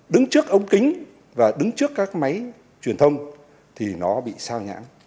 đứng trước ống kính và đứng trước các máy truyền thông thì nó bị xào nhãng